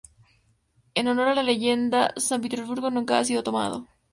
En honor a la leyenda, San Petersburgo nunca ha sido tomado.